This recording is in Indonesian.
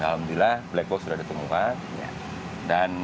alhamdulillah black box sudah ditemukan